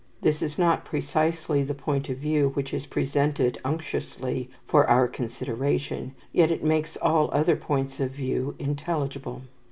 This is not precisely the point of view which is presented unctuously for our consideration, yet it makes all other points of view intelligible.